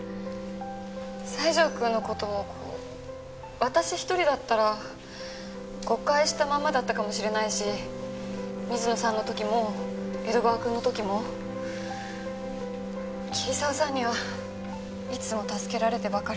西条くんの事も私一人だったら誤解したままだったかもしれないし水野さんの時も江戸川くんの時も桐沢さんにはいつも助けられてばかりで。